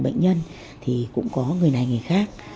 bệnh nhân cũng có người này người khác